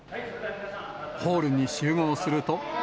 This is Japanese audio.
ホールに集合すると。